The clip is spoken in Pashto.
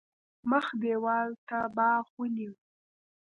مخ دېوال ته باغ ونیو.